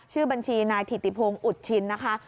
ชื่อบัญชีนายถิติพงศ์อุดชินนะคะ